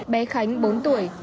bé khánh bốn tuổi